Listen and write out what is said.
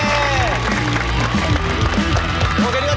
โอเคนี่ก็เจ๋งแล้ว